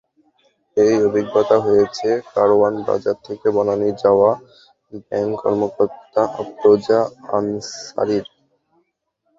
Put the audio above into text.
একই অভিজ্ঞতা হয়েছে কারওয়ান বাজার থেকে বনানী যাওয়া ব্যাংক কর্মকর্তা আফরোজা আনসারীর।